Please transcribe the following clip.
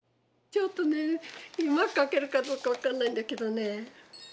ちょっとねうまく描けるかどうか分かんないんだけどね。